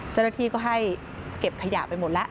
เจ้าหน้าที่ก็ให้เก็บขยะไปหมดแล้ว